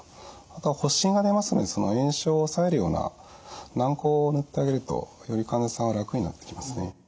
あとは発疹が出ますのでその炎症を抑えるような軟こうを塗ってあげるとより患者さんは楽になってきますね。